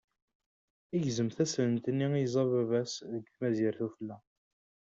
Igzem taslent-nni i yeẓẓa baba-s deg tmazirt ufella.